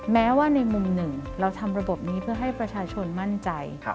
แม้ว่าในมุมหนึ่งเราทำระบบนี้เพื่อให้ประชาชนมั่นใจ